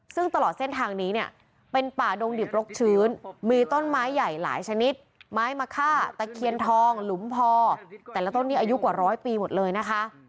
ซึ่งตลอดเส้นทางนี้เนี่ยเป็นป่าดงดิบรกชื้นมีต้นไม้ใหญ่หลายชนิดไม้มะค่าตะเคียนทองหลุมพอแต่ละต้นนี้อายุกว่าร้อยปีหมดเลยนะคะ